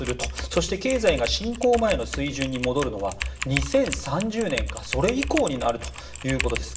そして経済が侵攻前の水準に戻るのは２０３０年かそれ以上になるということです。